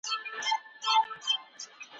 موږ ولي د صابون جوړولو فابریکي فعالي وساتلې؟